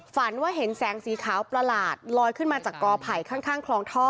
ฝันว่าเห็นแสงสีขาวประหลาดลอยขึ้นมาจากกอไผ่ข้างคลองท่อ